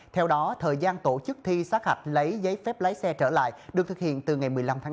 theo đó thời gian tổ chức thi sát hạch lấy giấy phép lái xe trở lại được thực hiện từ ngày một mươi năm tháng chín